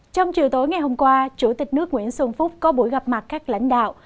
trong chiều tối ngày hôm qua chủ tịch nước nguyễn xuân phúc có buổi gặp mặt các lãnh đạo